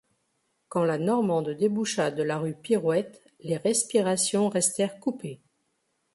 Quand la Normande déboucha de la rue Pirouette, les respirations restèrent coupées.